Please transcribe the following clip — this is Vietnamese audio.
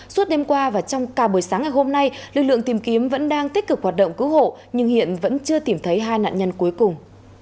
suốt đêm qua và trong cả buổi sáng ngày hôm nay lực lượng tìm kiếm vẫn đang tích cực hoạt động cứu hộ nhưng hiện vẫn chưa tìm thấy hai nạn nhân cuối cùng